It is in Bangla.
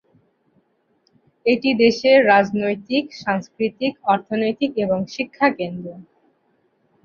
এটি দেশের রাজনৈতিক, সাংস্কৃতিক, অর্থনৈতিক এবং শিক্ষা কেন্দ্র।